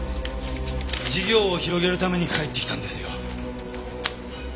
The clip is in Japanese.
事業を広げるために帰ってきたんですよ。